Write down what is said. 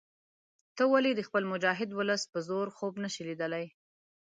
ته ولې د خپل مجاهد ولس په زور خوب نه شې لیدلای.